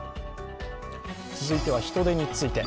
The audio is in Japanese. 続いては人出について。